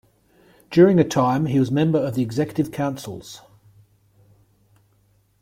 During a time, he was member of the Executive Councils.